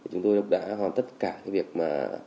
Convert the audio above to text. chúng tôi đã hoàn tất cả cái việc mà